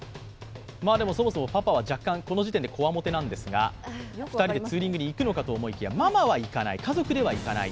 そもそもパパはこの時点でこわもてなんですが２人でツーリングに行くのかと思いきや、ママは行かない、２人は行かない。